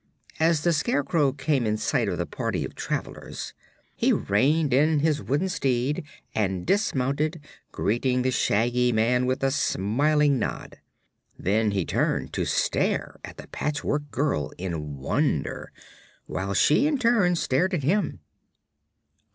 As the Scarecrow came in sight of the party of travelers, he reined in his wooden steed and dismounted, greeting the Shaggy Man with a smiling nod. Then he turned to stare at the Patchwork Girl in wonder, while she in turn stared at him.